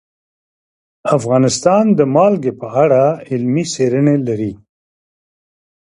افغانستان د نمک په اړه علمي څېړنې لري.